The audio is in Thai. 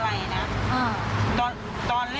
ผู้หญิงนี้ต้องคุยกับพี่บ่อยมั้ยนิสัยใจเพาะเพียงยังไง